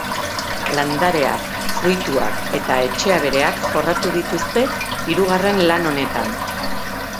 Landareak, fruituak eta etxe-abereak jorratu dituzte hirugarren lan honetan.